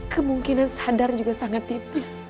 kemungkinan sadar juga sangat tipis